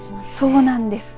そうなんです。